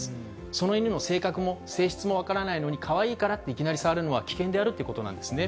その犬の性格も性質も分からないのに、かわいいからっていきなり触るのは危険であるということなんですね。